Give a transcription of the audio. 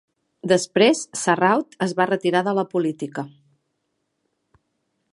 Després Sarraut es va retirar de la política.